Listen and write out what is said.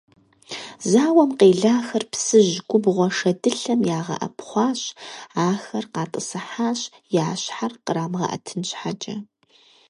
Зауэм къелахэр Псыжь губгъуэ шэдылъэм ягъэӏэпхъуащ, ахэр къатӏысыхьащ, я щхьэр кърамыгъэӏэтын щхьэкӏэ.